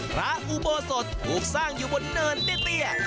พระอุโบสถถูกสร้างอยู่บนเนินเตี้ย